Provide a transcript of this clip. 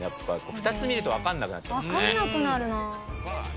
２つ見ると分かんなくなっちゃいますね。